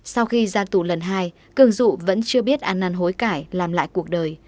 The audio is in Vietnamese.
sau khi ra tù lần hai cường dụ vẫn chưa biết ăn năn hối cải làm lại cuộc đời